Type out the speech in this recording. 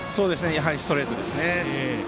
やはりストレートですね。